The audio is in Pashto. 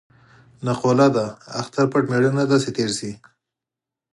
نقوله ده: اختر پټ مېړه نه دی چې تېر شي.